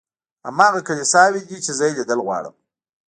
هماغه کلیساوې دي چې زه یې لیدل غواړم.